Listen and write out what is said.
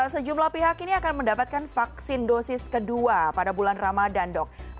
sejumlah pihak ini akan mendapatkan vaksin dosis kedua pada bulan ramadan dok